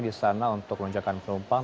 di sana untuk lonjakan penumpang